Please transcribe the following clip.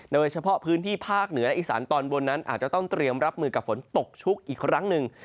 โดยเฉพาะพื้นที่ภาคเหนืออีสานตอนบนนั้นอาจจะต้องเตรียมรับมือกับฝนตกชุกอีกครั้งหนึ่ง